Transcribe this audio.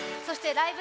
ライブ！」